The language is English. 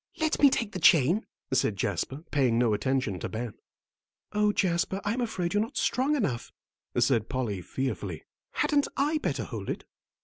"Let me take the chain," said Jasper, paying no attention to Ben. "Oh, Jasper, I'm afraid you're not strong enough," said Polly, fearfully. "Hadn't I better hold it?"